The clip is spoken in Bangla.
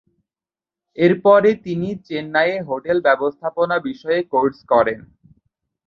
এর পরে তিনি চেন্নাইয়ে হোটেল ব্যবস্থাপনা বিষয়ে কোর্স করেন।